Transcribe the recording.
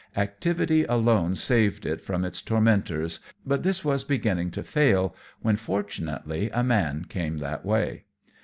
Activity alone saved it from its tormentors; but this was beginning to fail, when, fortunately, a man came that way.